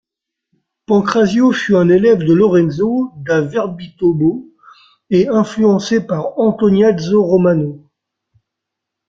Pancrazio fut un élève de Lorenzo da Viterbo et influencé par Antoniazzo Romano.